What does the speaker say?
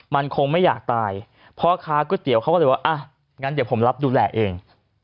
มันคงไม่อยากตายพ่อค้าก๋วยเตี๋ยวเขาก็เลยว่าอ่ะงั้นเดี๋ยวผมรับดูแลเอง